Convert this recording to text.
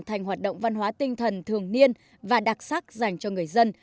thành hoạt động văn hóa tinh thần thường niên và đặc sắc dành cho người dân